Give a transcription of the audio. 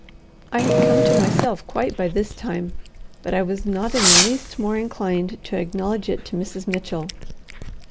I had come to myself quite by this time, but I was not in the least more inclined to acknowledge it to Mrs. Mitchell.